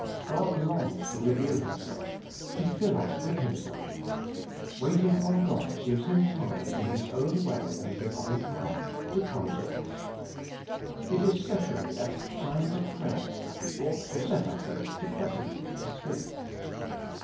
God longs to reveal WArriNG ON GODI 31 < Himself, to fill us with Himself. Waiting on God gives Him time in His own way and divine power to come to us. It is specially at the time of prayer that we ought to set ourselves to cultivate this spirit.